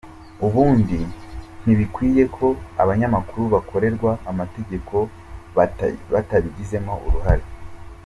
Ubundi ntibikwiye ko abanyamakuru bakorerwa amategeko batabigizemo uruhare.